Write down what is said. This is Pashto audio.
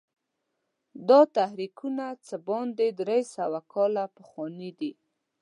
دا تحریکونه څه باندې درې سوه کاله پخواني دي.